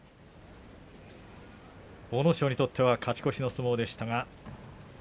阿武咲にとっては勝ち越しの相撲でした。